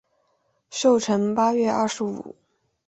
寿辰八月二十五。